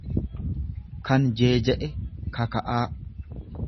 kan jeeja'e, kaka'aa.